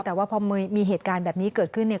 แต่ว่าพอมีเหตุการณ์แบบนี้เกิดขึ้นเนี่ย